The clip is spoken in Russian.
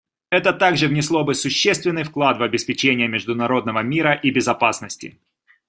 Это также внесло бы существенный вклад в обеспечение международного мира и безопасности.